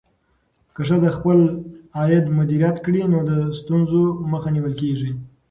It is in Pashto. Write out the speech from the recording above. که ښځه خپل عاید مدیریت کړي، نو د ستونزو مخه نیول کېږي.